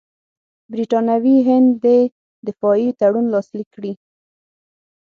برټانوي هند دې دفاعي تړون لاسلیک کړي.